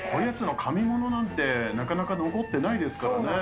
紙ものなんて、なかなか残ってないですからね。